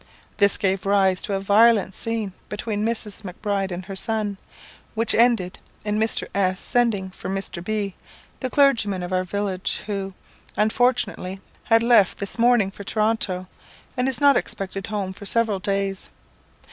This gave rise to a violent scene between Mrs. Macbride and her son, which ended in Mr. S sending for Mr. B , the clergyman of our village, who, unfortunately, had left this morning for Toronto, and is not expected home for several days.